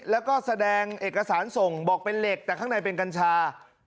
แล้วก็แสดงเอกสารส่งบอกเป็นเหล็กแต่ข้างในเป็นกัญชา